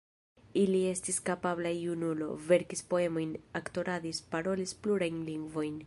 Li estis kapabla junulo, verkis poemojn, aktoradis, parolis plurajn lingvojn.